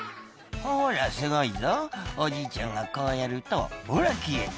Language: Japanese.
「ほらすごいぞおじいちゃんがこうやるとほら消えた！